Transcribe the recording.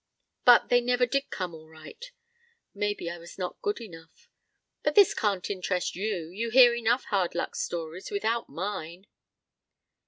But they never did come all right. Maybe I was not good enough; but this can't interest you. You hear enough hard luck stories without mine."